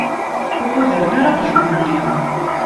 Ur ḥudren ara aqjun-nni?